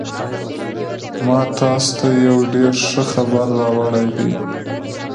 ما تاسو ته یو ډېر ښه خبر راوړی دی